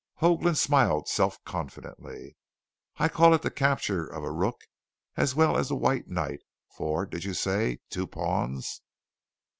Hoagland smiled self confidently. "I call it the capture of a Rook as well as the White Knight for did you say two pawns?"